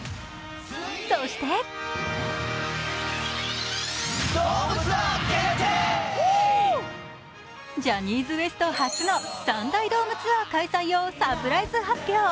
そしてジャニーズＷＥＳＴ初の３大ドームツアーをサプライズ発表。